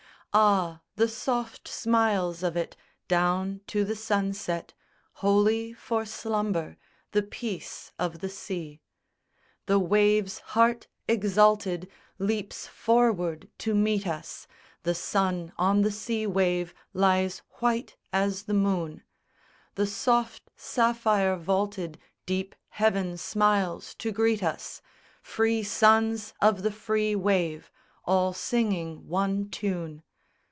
Ah! the soft smiles of it Down to the sunset, Holy for slumber, The peace of the sea. The wave's heart, exalted, Leaps forward to meet us, The sun on the sea wave Lies white as the moon: The soft sapphire vaulted Deep heaven smiles to greet us, Free sons of the free wave All singing one tune.